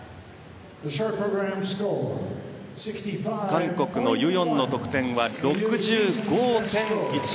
韓国のユ・ヨンの得点は６５．１０。